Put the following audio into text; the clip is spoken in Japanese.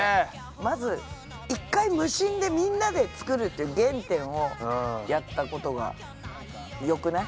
まず一回無心でみんなで作るっていう原点をやったことがよくない？